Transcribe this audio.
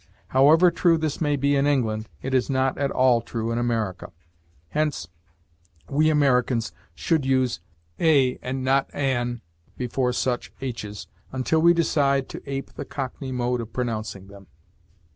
However true this may be in England, it is not at all true in America; hence we Americans should use a and not an before such h's until we decide to ape the Cockney mode of pronouncing them.